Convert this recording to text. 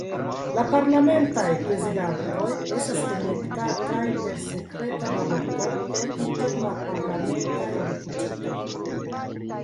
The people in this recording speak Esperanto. La parlamentaj prezidantoj estas elektataj per sekreta baloto el inter la parlamentaj deputitoj.